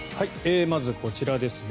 まず、こちらですね。